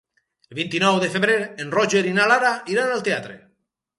El vint-i-nou de febrer en Roger i na Lara iran al teatre.